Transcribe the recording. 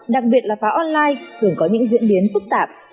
đặc biệt là pháo online thường có những diễn biến phức tạp